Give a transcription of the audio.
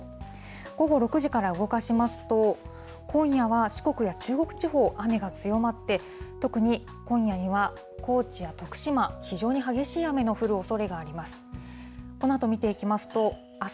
午後６時から動かしますと、今夜は四国や中国地方、雨が強まって、特に今夜には高知や徳島、非常に激しい雨の降るおそれがあります。